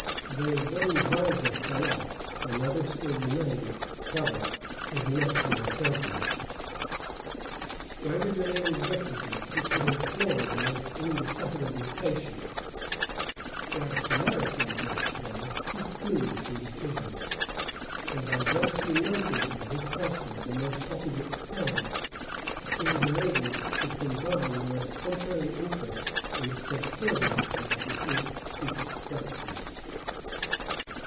Though one visor fell off another still remained to cover his natural countenance. Where delay was requisite, he could employ the most indefatigable patience: where celerity was necessary, he flew to a decision. And by thus uniting in his person the most opposite talents, he was enabled to combine the most contrary interests in a subserviency to his secret purposes.